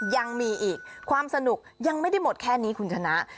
ยังมีอีกความสนุกยังไม่ได้หมดแค่นี้คุณชนะ